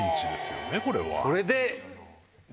それで。